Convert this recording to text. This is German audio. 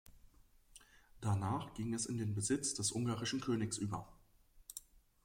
Danach ging es in den Besitz des ungarischen Königs über.